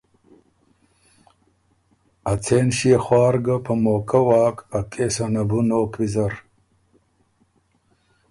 ا څېن ݭيې خوار ګۀ په موقع واک ا کېسه نه بو نوک ویزر۔